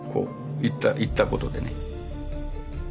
行ったことでね。